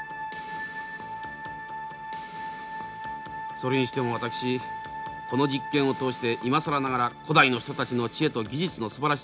それにしても私この実験を通して今更ながら古代の人たちの知恵と技術のすばらしさにほとほと参りました。